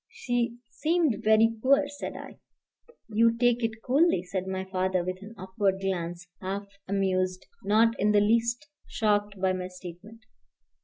She seemed very poor," said I. "You take it coolly," said my father, with an upward glance, half amused, not in the least shocked by my statement.